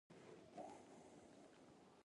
تیمورشاه ورځنۍ تنخوا ورته مقرره کړې وه.